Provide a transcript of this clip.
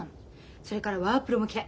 それからワープロも嫌い。